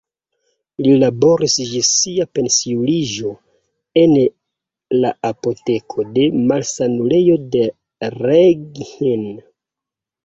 Li laboris ĝis sia pensiuliĝo en la apoteko de malsanulejo de Reghin.